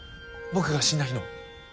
僕が死んだ日の。